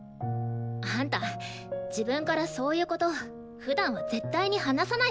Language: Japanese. あんた自分からそういうことふだんは絶対に話さないから。